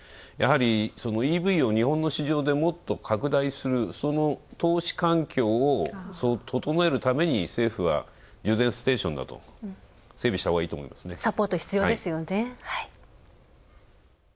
やはりＥＶを日本の市場で、もっと拡大する、その投資環境を整えるために政府は、充電ステーションなどを整備したほうがいいと思いますね。